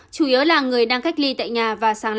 chủ yếu là người đang cách ly tại nhà và sản xuất